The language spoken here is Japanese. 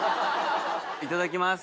いただきます。